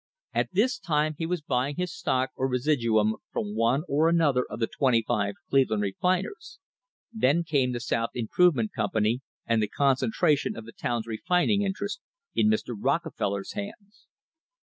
At this time he was buying his stock or residuum from one or another of the twenty five Cleveland refiners. Then came the South Improvement Company and the concentration of the town's refining interest in Mr. Rocke feller's hands.